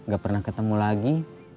gak pernah ketemu lagi